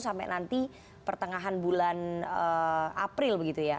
sampai nanti pertengahan bulan april begitu ya